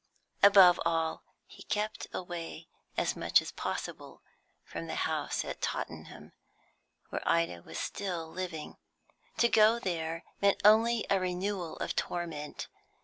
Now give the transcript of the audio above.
Above all, he kept away as much as possible from the house at Tottenham, where Ida was still living. To go there meant only a renewal of torment.